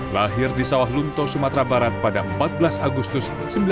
lahir di sawah lunto sumatera barat pada empat belas agustus seribu sembilan ratus empat puluh